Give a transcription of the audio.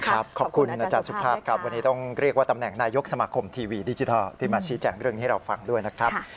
ขอบคุณอาจารย์สุภาพครับวันนี้ต้องเรียกว่าตำแหน่งนายกสมาคมทีวีดิจิทัลที่มาชี้แจงเรื่องนี้ให้เราฟังด้วยนะครับ